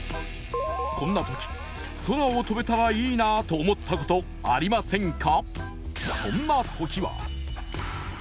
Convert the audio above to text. こんな時空を飛べたらいいなと思ったことありませんか？